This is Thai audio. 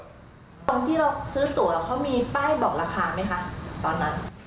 คนที่เราซื้อตัวเขามีป้ายบอกราคามั้ยคะ